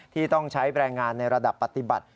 ที่ต้องใช้แรงงานในระดับปฏิบัติ